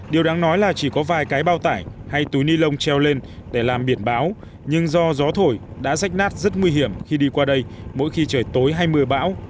điều đáng nói là chỉ có vài cái bao tải hay túi ni lông treo lên để làm biển báo nhưng do gió thổi đã rách nát rất nguy hiểm khi đi qua đây mỗi khi trời tối hay mưa bão